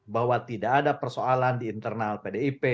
bahwa tidak ada persoalan di internal pdip